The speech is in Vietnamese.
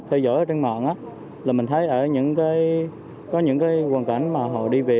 theo dõi trên mạng mình thấy ở những hoàn cảnh mà họ đi về